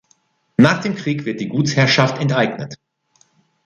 Nach dem Krieg wird die Gutsherrschaft enteignet.